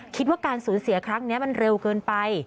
คิดว่าการสูญเสียครั้งนี้มันเร็วเกินไป